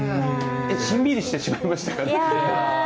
しんみりしてしまいましたか。